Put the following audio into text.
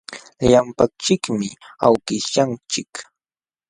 Llapanchikmi awkishyanchik.